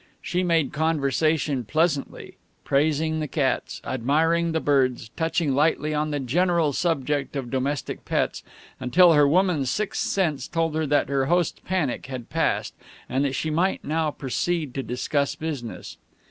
She made conversation pleasantly, praising the cats, admiring the birds, touching lightly on the general subject of domestic pets, until her woman's sixth sense told her that her host's panic had passed, and that she might now proceed to discuss business.